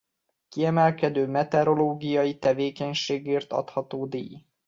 Kiemelkedő meteorológiai tevékenységért adható díj.